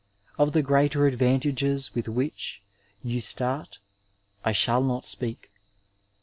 Of the greater advantages with which you start I shall not speak.